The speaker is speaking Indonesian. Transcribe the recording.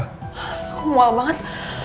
aku mau banget